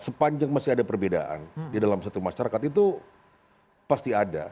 sepanjang masih ada perbedaan di dalam satu masyarakat itu pasti ada